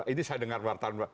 ini saya dengar wartawan